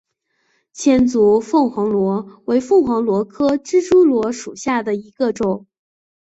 千足凤凰螺为凤凰螺科蜘蛛螺属下的一个种。